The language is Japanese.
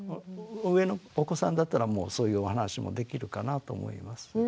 上のお子さんだったらもうそういうお話もできるかなと思います。